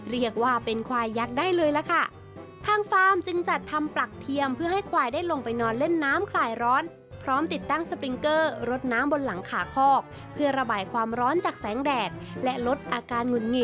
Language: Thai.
เรียกว่าเป็นควายยักษ์ได้เลยล่ะค่ะ